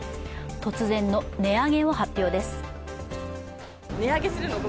突然の値上げを発表です。